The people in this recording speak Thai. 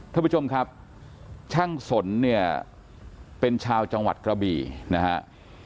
ท่านผู้ชมครับช่างสนเนี่ยเป็นชาวจังหวัดกระบี่นะฮะ